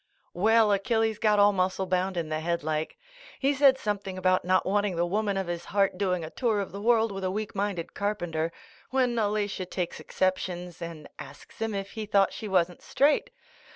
Well, Achilles got all muscle bound in the head like. He said something about not wanting the woman of his heart doing a tour of the world with a weak minded carpenter, when Alatia takes exceptions and asks him if he thought she wasn't straight.